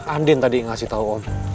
andin tadi memberitahu om